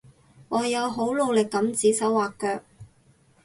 我有好努力噉指手劃腳